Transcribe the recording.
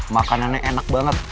makanannya enak banget